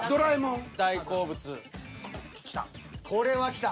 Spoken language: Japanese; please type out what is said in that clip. きた。